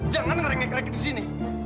jangan ngerek ngerek di sini